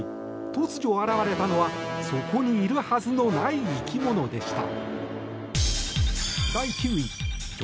突如、現れたのはそこにいるはずのない生き物でした。